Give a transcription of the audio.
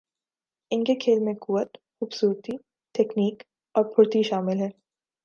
ان کے کھیل میں قوت، خوبصورتی ، تکنیک اور پھرتی شامل ہے۔